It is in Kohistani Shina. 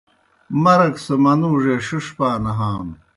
مرگ سہ منُوڙے ݜِݜ پاں نہانوْ۔